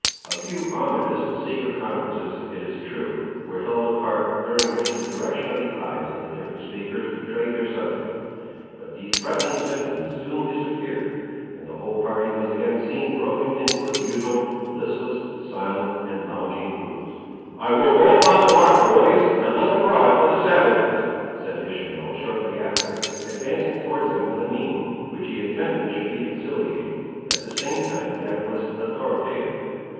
A few ominous and secret conferences, it is true, were held apart, during which the direction of the eyes of the different speakers betrayed their subject; but these threatening symptoms soon disappeared, and the whole party was again seen broken into its usual, listless, silent, and lounging groups. "I will go upon the rock, boys, and look abroad for the savages," said Ishmael shortly after, advancing towards them with a mien which he intended should be conciliating, at the same time that it was authoritative.